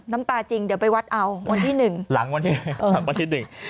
น้ำตาจริงเดี๋ยวไปวัดเอาวันที่หนึ่งหลังวันที่หลังวันที่หนึ่ง